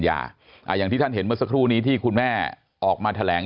อย่างที่ท่านเห็นเมื่อสักครู่นี้ที่คุณแม่ออกมาแถลง